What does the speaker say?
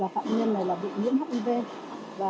phạm nhân này bị nhiễm hiv